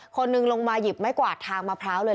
คนหนึ่งลงมาหยิบไม้กวาดทางมะพร้าวเลย